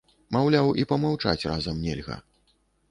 Маўляў, і памаўчаць разам нельга.